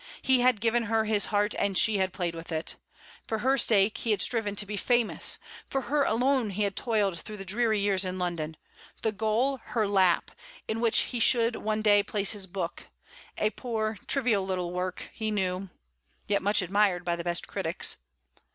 He had given her his heart, and she had played with it. For her sake he had striven to be famous; for her alone had he toiled through dreary years in London, the goal her lap, in which he should one day place his book a poor, trivial little work, he knew (yet much admired by the best critics).